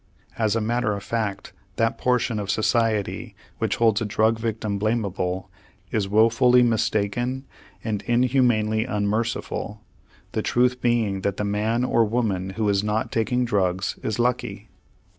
As a matter of fact, that portion of society which holds a drug victim blamable is woefully mistaken and inhumanely unmerciful, the truth being that the man or woman who is not taking drugs is lucky.